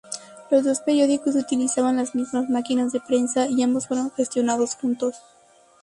Los dos periódicos utilizaban las mismas máquinas de prensa, y ambos fueron gestionados juntos.